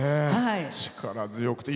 力強くて。